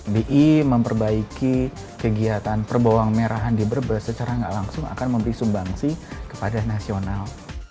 bi memperbaiki kegiatan perboang merahan di brebes secara nggak langsung akan memberi sumbangsi kepada nasional